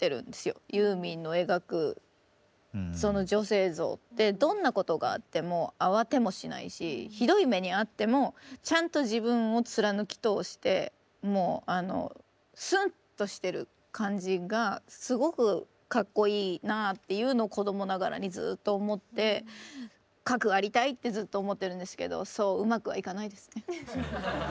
ユーミンの描くその女性像ってどんなことがあっても慌てもしないしひどい目に遭ってもちゃんと自分を貫き通してもうあのスンッとしてる感じがすごくかっこいいなあっていうのを子供ながらにずっと思ってかくありたいってずっと思ってるんですけどそううまくはいかないですね。